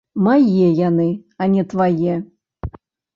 Мае яны, а не твае!